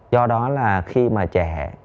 do đó là khi mà trẻ